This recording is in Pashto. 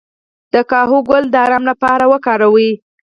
د کاهو ګل د ارام لپاره وکاروئ